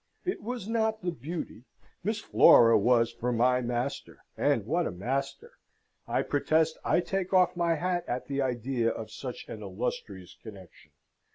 It was not the Beauty Miss Flora was for my master (and what a master! I protest I take off my hat at the idea of such an illustrious connexion!)